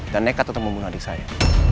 dan nekat untuk membunuh adik saya